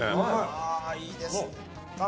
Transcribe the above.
ああいいですね。